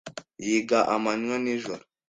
Yiga amanywa n'ijoro.